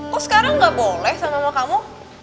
kok sekarang ga boleh sama mama kamu